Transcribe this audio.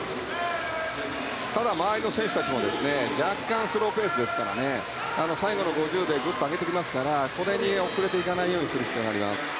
ただ、周りの選手たちも若干、スローペースですから最後の５０でグッと上げてきますからここに遅れないようにする必要があります。